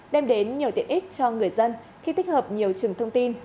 đem đến nhiều tiện ích cho người dân khi tích hợp nhiều trường thông tin